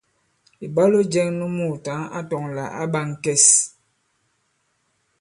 Ìbwalo jɛ̄ŋ nu muùtaŋ a tɔ̄ŋ lā ǎ ɓā ŋ̀kɛs.